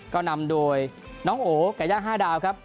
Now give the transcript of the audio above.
ก็นำโดยน้องโอ๋ไก่ย่าง๕ดาวครับ